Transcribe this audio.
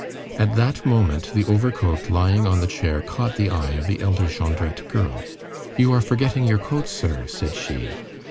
At that moment, the overcoat lying on the chair caught the eye of the elder Jondrette girl. "You are forgetting your coat, sir," said she.